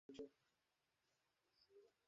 উঠিয়ে দিলে তো বেচেরা কে খাওয়ার পাত থেকে!